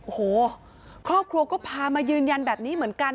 โอ้โหครอบครัวก็พามายืนยันแบบนี้เหมือนกัน